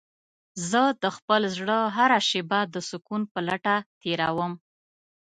زه د خپل زړه هره شېبه د سکون په لټه تېرووم.